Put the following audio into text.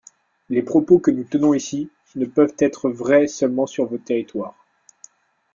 Les propos que nous tenons ici ne peuvent être vrais seulement sur vos territoires.